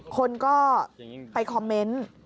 คนก็ไปคอมเมนต์